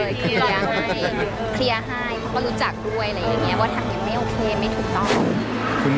เคลียร์ให้เขารู้จักด้วยอะไรอย่างเงี้ย